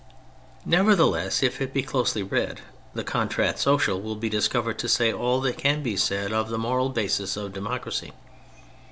Nevertheless, if it be closely read the Contrat Social will be discovered to say all that can be said of the moral basis of democracy.